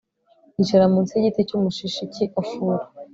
yicara mu nsi y'igiti cy'umushishi cy'i ofura